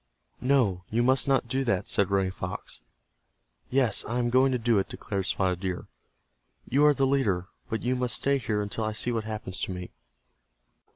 "No, you must not do that," said Running Fox. "Yes, I am going to do it," declared Spotted Deer. "You are the leader, but you must stay here until I see what happens to me.